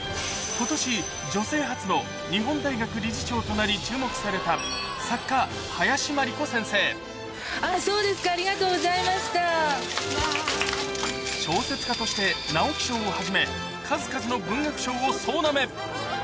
ことし、女性初の日本大学理事長となり、注目された作家、そうですか、ありがとうござ小説家として直木賞をはじめ、数々の文学賞を総なめ。